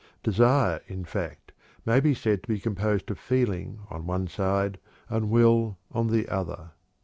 Desire, in fact, may be said to be composed of feeling on one side and will on the other.